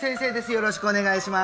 よろしくお願いします